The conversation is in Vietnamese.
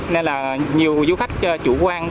nên nhiều du khách chủ quan